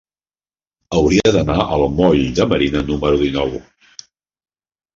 Hauria d'anar al moll de Marina número dinou.